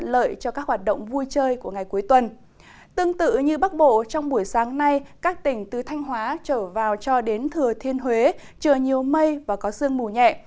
tương tự như bắc bộ trong buổi sáng nay các tỉnh từ thanh hóa trở vào cho đến thừa thiên huế trời nhiều mây và có sương mù nhẹ